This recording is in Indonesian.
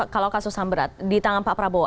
kalau kasus ham berat di tangan pak prabowo